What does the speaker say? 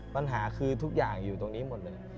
ปัญหาคือทุกอย่างอยู่ตรงนี้หมดเลย